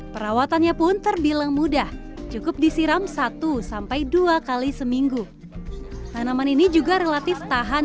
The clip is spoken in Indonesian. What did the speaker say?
perawatannya pun terbilang mudah cukup disiram satu sampai dua kali seminggu tanaman ini juga relatif tahan